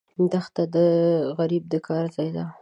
دښته د غریب د کار ځای ده.